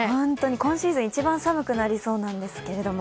今シーズン一番寒くなりそうなんですけれども。